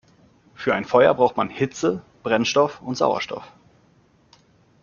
Für ein Feuer braucht man Hitze, Brennstoff und Sauerstoff.